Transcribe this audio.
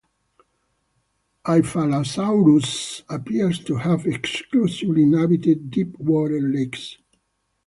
"Hyphalosaurus" appears to have exclusively inhabited deep-water lakes.